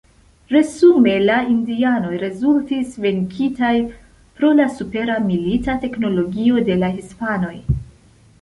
Resume la indianoj rezultis venkitaj pro la supera milita teknologio de la hispanoj.